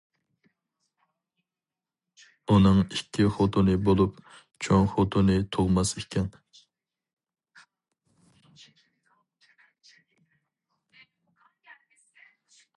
ئۇنىڭ ئىككى خوتۇنى بولۇپ، چوڭ خوتۇنى تۇغماس ئىكەن.